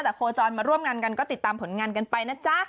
แต่โคจรมาร่วมงานกันก็ติดตามผลงานกันไปนะจ๊ะ